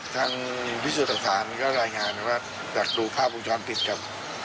ทั้งวิสูตรต่างก็รายงานว่าแบบดูภาพวงช้อนปิดกับ